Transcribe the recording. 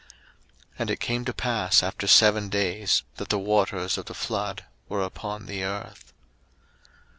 01:007:010 And it came to pass after seven days, that the waters of the flood were upon the earth.